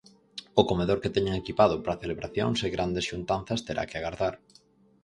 O comedor que teñen equipado para celebracións e grandes xuntanzas terá que agardar.